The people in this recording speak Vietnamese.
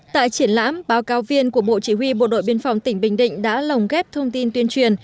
tại triển lãm báo cáo viên của bộ chỉ huy bộ đội biên phòng tỉnh bình định đã lồng ghép thông tin tuyên truyền